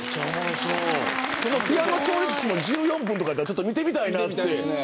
ピアノ調律師の１４分とかも見てみたいなって。